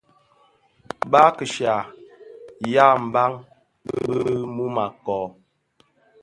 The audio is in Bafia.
Baa (kisyea) yàa ban bì mum a kɔɔ.